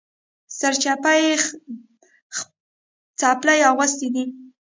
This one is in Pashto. سرچپه یې څپلۍ اغوستلي دي